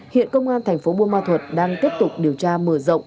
hiện công an thành phố buôn ma thuật đang tiếp tục điều tra mở rộng